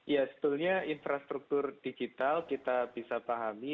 ya sebetulnya infrastruktur digital kita bisa pahami